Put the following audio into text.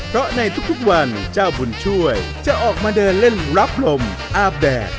เพราะในทุกวันเจ้าบุญช่วยจะออกมาเดินเล่นรับลมอาบแดด